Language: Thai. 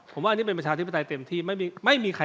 ผมว่าอันนี้เป็นประชาธิปไตยเต็มที่